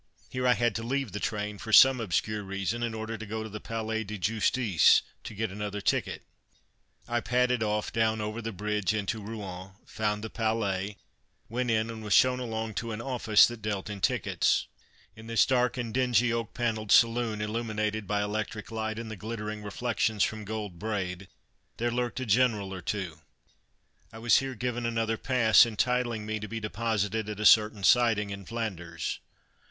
Here I had to leave the train, for some obscure reason, in order to go to the Palais de Justice to get another ticket. I padded off down over the bridge into Rouen, found the Palais, went in and was shown along to an office that dealt in tickets. In this dark and dingy oak panelled saloon, illuminated by electric light and the glittering reflections from gold braid, there lurked a general or two. I was here given another pass entitling me to be deposited at a certain siding in Flanders.